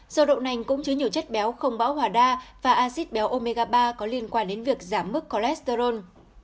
dầu đậu nành cũng chứa nhiều chất béo không bão hòa đa và acid béo omega ba có liên quan đến việc giảm mức cholesterol